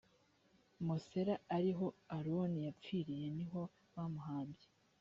mosera ari ho aroni yapfiriye ni ho bamuhambye